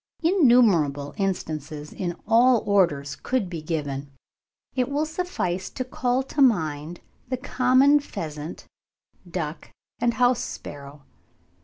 Innumerable instances in all Orders could be given; it will suffice to call to mind the common pheasant, duck, and house sparrow.